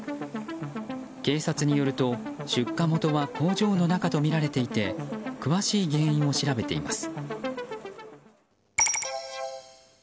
警察によると出火元は工場の中とみられていて詳しい原因を調べています。